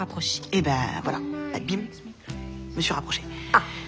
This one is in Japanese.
あっ。